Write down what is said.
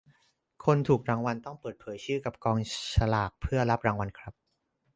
คนถูกรางวัลต้องเปิดเผยชื่อกับกองสลากเพื่อรับรางวัลครับ.